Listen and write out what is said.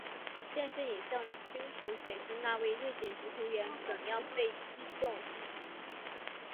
电视影像清楚显示那位瑞典足球员怎样被击中腹部。